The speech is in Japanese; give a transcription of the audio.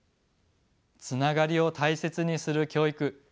つながりを大切にする教育。